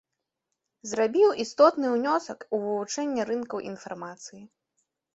Зрабіў істотны ўнёсак у вывучэнне рынкаў інфармацыі.